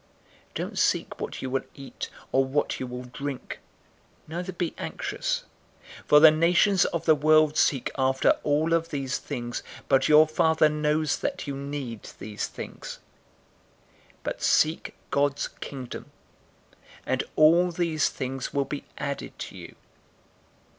012:029 Don't seek what you will eat or what you will drink; neither be anxious. 012:030 For the nations of the world seek after all of these things, but your Father knows that you need these things. 012:031 But seek God's Kingdom, and all these things will be added to you.